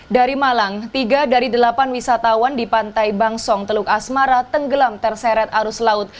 dari malang tiga dari delapan wisatawan di pantai bangsong teluk asmara tenggelam terseret arus laut